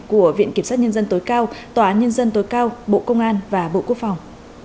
của viện kiểm sát nhân dân tối cao tòa án nhân dân tối cao bộ công an và bộ quốc phòng